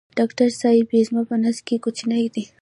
ډاکټر صېبې زما په نس کوچینی دی